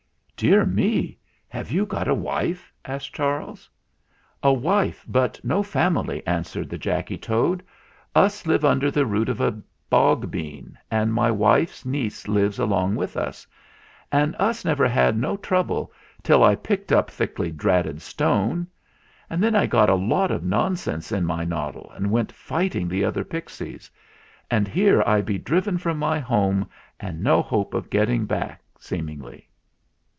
"Dear me! have you got a wife?" asked Charles. "A wife, but no family," answered the Jacky Toad. "Us live under the root of a bog bean, and my wife's niece lives along with us, and THE GALLOPER'S SCHOOLING 225 us never had no trouble till I picked up thicky dratted stone. Then I got a lot of nonsense in my noddle and went fighting the other pixies ; and here I be driven from my home and no hope of getting back seemingly."